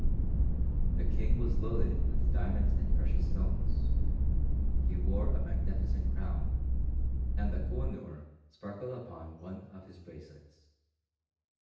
The king was loaded with diamonds and precious stones; he wore a magnificent crown, and the Koh i noor sparkled upon one of his bracelets.